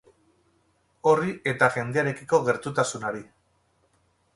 Horri eta jendearekiko gertutasunari.